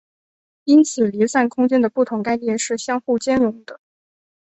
因此离散空间的不同概念是相互兼容的。